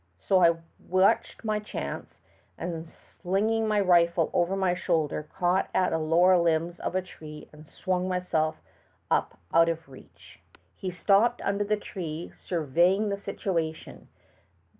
So I watched my chance, and, slinging my rifle over my shoulder, caught at the lower limbs of a tree and swung myself up out of reach. 218 THE TALKING HANDKERCHIEF. He stopped under the tree, surveyed the situa tion.